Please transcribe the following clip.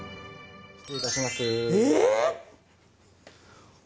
失礼いたします。